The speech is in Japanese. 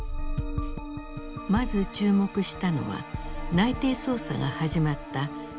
まず注目したのは内偵捜査が始まった２０１７年。